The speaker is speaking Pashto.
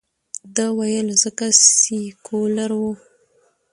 ده ویل، ځکه سیکولر ؤ.